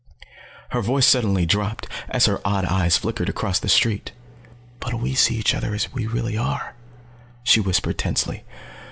Her voice suddenly dropped as her odd eyes flickered across the street. "But we see each other as we really are," she whispered tensely.